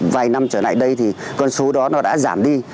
vài năm trở lại đây thì con số đó nó đã giảm đi